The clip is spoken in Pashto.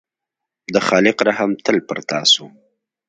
د خالق رحم تل پر تا شو.